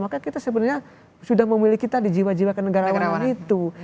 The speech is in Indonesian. maka kita sebenarnya sudah memiliki tadi jiwa jiwa kenegarawanan itu